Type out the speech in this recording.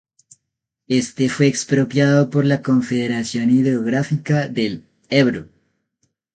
Éste fue expropiado por la Confederación Hidrográfica del Ebro.